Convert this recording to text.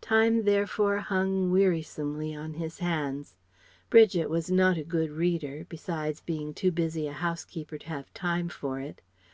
Time therefore hung wearisomely on his hands; Bridget was not a good reader, besides being too busy a housekeeper to have time for it.